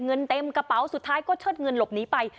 เงินเต็มกระเป๋าสุดท้ายก็เชิดเงินหลบหนีไป